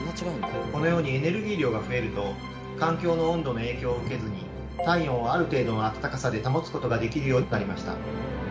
このようにエネルギー量が増えると環境の温度の影響を受けずに体温をある程度の温かさで保つことができるようになりました。